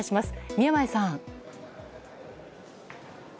宮前さん。